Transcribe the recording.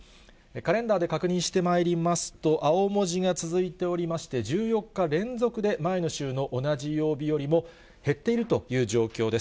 カレンダーで確認してまいりますと、青文字が続いておりまして、１４日連続で前の週の同じ曜日よりも減っているという状況です。